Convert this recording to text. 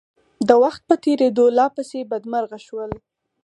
د وخت په تېرېدو لا پسې بدمرغه شول.